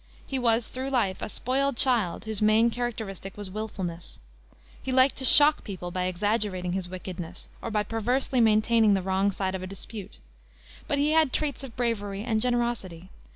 He was through life a spoiled child, whose main characteristic was willfulness. He liked to shock people by exaggerating his wickedness, or by perversely maintaining the wrong side of a dispute. But he had traits of bravery and generosity.